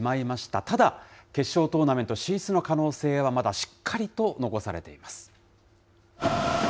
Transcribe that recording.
ただ、決勝トーナメント進出の可能性はまだしっかりと残されています。